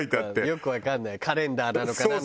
よくわかんないカレンダーなのかな？